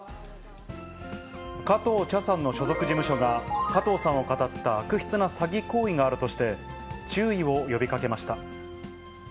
加藤茶さんの所属事務所が、加藤さんをかたった悪質な詐欺行為があるとして、注意を呼びかけ